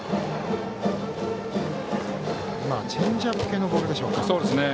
今のはチェンジアップ系のボールでしょうか。